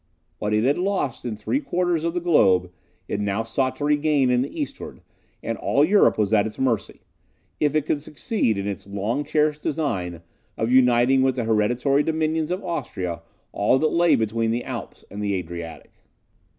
What it had lost in three quarters of the globe, it now sought to regain to the eastward, and all Europe was at its mercy, if it could succeed in its long cherished design of uniting with the hereditary dominions of Austria all that lay between the Alps and the Adriatic.